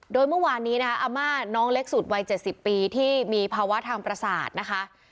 โดยเมื่อวานนี้นะคะอาม่าน้องเล็กสุดวัย๗๐ปีที่มีภาวะทางประสาทนะคะ